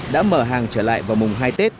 đã mở hàng trở lại vào mùng hai tết